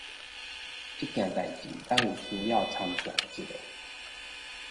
這件代誌咱有需要參詳一下！